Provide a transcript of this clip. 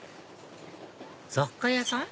雑貨屋さん？